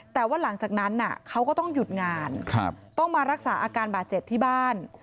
แต่ว่าหลังจากนั้นเขาก็ต้องหยุดงานต้องมารักษาอาการบาดเจ็บที่บ้าน